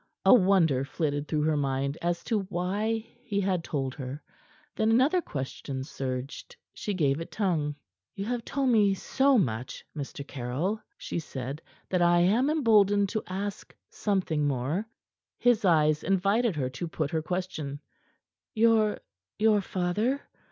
A wonder flitted through her mind as to why he had told her; then another question surged. She gave it tongue. "You have told me so much, Mr. Caryll," she said, "that I am emboldened to ask something more." His eyes invited her to put her question. "Your your father?